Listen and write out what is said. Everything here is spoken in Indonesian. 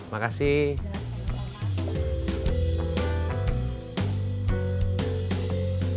kalau mau kamu balik sampai aku mau tyut